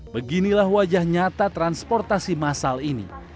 beginilah wajah nyata transportasi masal ini